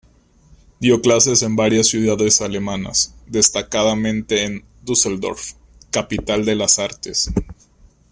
Dio clases en varias ciudades alemanas, destacadamente en Düsseldorf, capital de las artes.